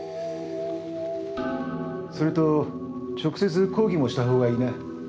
それと直接抗議もしたほうがいいな。